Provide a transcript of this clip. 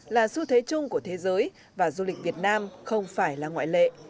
là xu thế chung của thế giới và du lịch việt nam không phải là ngoại lệ